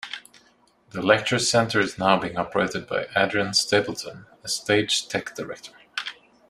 The lecture center is now being operated by Adrian Stapleton, a stage tech director.